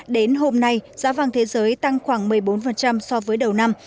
đến hôm nay giá vàng thế giới tăng khoảng một mươi bốn so với đầu năm